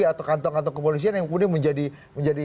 atau kantong kantong kepolisian yang kemudian menjadi